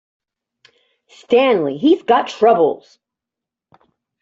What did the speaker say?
Stanley, "he's" got troubles!